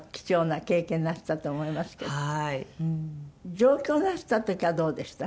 上京なすった時はどうでした？